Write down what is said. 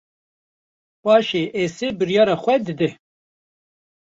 Paşê Esê biryara xwe dide